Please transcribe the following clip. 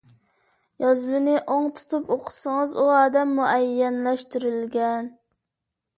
يازمىنى ئوڭ تۇتۇپ ئوقۇسىڭىز ئۇ ئادەم مۇئەييەنلەشتۈرۈلگەن.